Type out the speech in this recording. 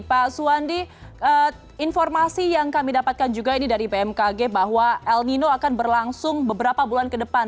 pak suwandi informasi yang kami dapatkan juga ini dari bmkg bahwa el nino akan berlangsung beberapa bulan ke depan